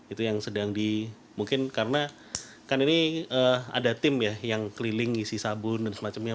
itu yang sedang di mungkin karena kan ini ada tim ya yang keliling ngisi sabun dan semacamnya